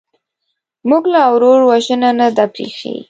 موږ لا ورور وژنه نه ده پرېښې.